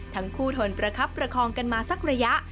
ทุกคนทนประคับประคองกันมาสักระยะ